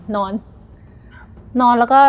นอน